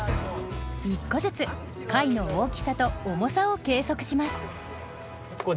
１個ずつ貝の大きさと重さを計測します。